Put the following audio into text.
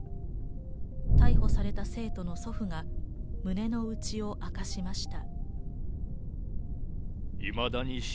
逮捕された生徒の祖父が胸の内を明かしました。